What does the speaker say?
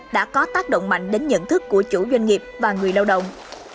đã có tác động mạnh đến nhận thức của chủ doanh nghiệp và người lao động